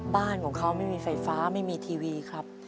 บ้านของเขาไม่มีไฟฟ้าไม่มีทีวีครับ